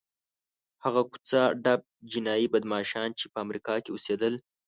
هغه کوڅه ډب جنایي بدماشان چې په امریکا کې اوسېدل.